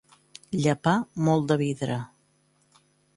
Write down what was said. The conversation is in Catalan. Llepar molt de vidre.